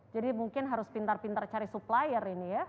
jadi mungkin harus pintar pintar cari supplier ini ya